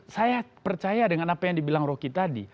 saya percaya dengan apa yang dibilang rocky tadi